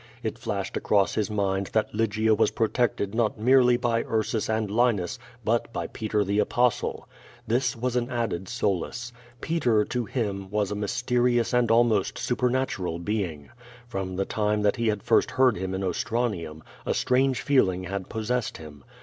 It flashed across his mind that Lygia was protected not merely by Ursus and Linus but by Peter tlie Apostle. This was an added solace. Peter, to him, was a mysterious and almost supernatural be 3IO Q^o VADis. ;i ing. From the time that he had first heard him in Ostrani ' um, a strange feeling had possessed him.